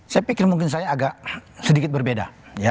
saya pikir mungkin saya agak sedikit berbeda